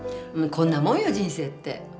こんなもんよ人生って。